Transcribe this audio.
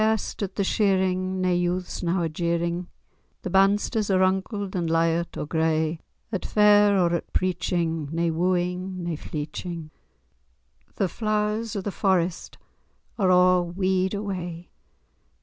In hair'st, at the shearing, nae youths now are jeering, The bandsters[#] are runkled,[#] and lyart[#] or gray; At fair, or at preaching, nae wooing, nae fleeching;[#] The Flowers of the Forest are a' wede away.